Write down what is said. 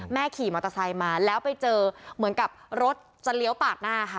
ขี่มอเตอร์ไซค์มาแล้วไปเจอเหมือนกับรถจะเลี้ยวปาดหน้าค่ะ